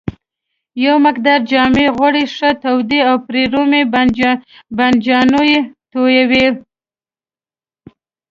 یو مقدار جامد غوړي ښه تودوي او پر رومي بانجانو یې تویوي.